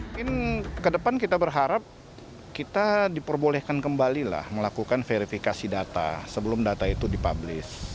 mungkin ke depan kita berharap kita diperbolehkan kembalilah melakukan verifikasi data sebelum data itu dipublish